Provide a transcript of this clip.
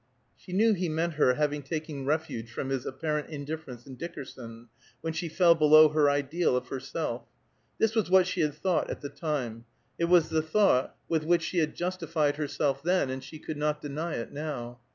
She knew that he meant her having taken refuge from his apparent indifference in Dickerson, when she fell below her ideal of herself. This was what she had thought at the time; it was the thought with which she had justified herself then, and she could not deny it now.